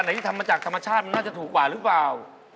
ที่ทำมาจากธรรมชาติมันน่าจะถูกกว่าหรือเปล่า